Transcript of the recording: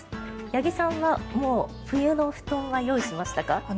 八木さんはもう冬の布団は用意しましたか？